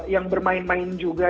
yang bermain main juga